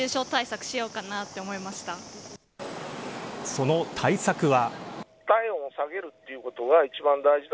その対策は。